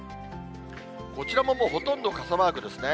こちらももうほとんど傘マークですね。